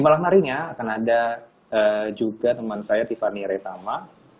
kemarin ya akan ada juga teman saya tiffany retama